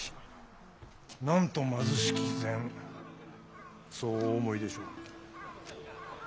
なんと貧しき膳そうお思いでしょう。